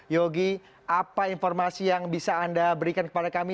yogi apa informasi yang bisa anda berikan kepada kami